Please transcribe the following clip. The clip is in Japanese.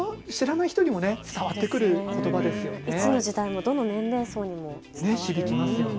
いつの時代も、どんな年齢層にも響いてきますよね。